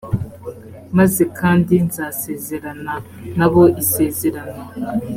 maze kandi nzasezerana na bo isezerano